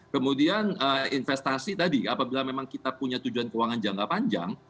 kemudian investasi tadi apabila memang kita punya tujuan keuangan jangka panjang